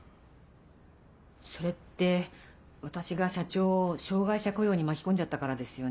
それって私が社長を障がい者雇用に巻き込んじゃったからですよね。